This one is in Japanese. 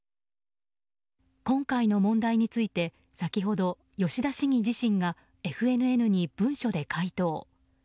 今回の問題について先ほど、吉田市議自身がＦＮＮに文書で回答。